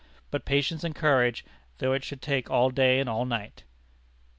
But patience and courage, though it should take all day and all night!